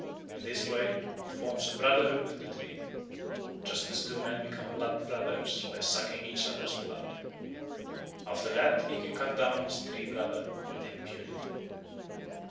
In this way he forms a brotherhood with the tree, just as two men become blood brothers by sucking each other's blood. After that he can cut down his tree brother with impunity.